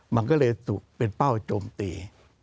มันก็เลยเป็นเป้าโจมตี